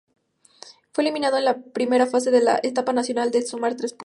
Fue eliminado en la primera fase de la Etapa Nacional al sumar tres puntos.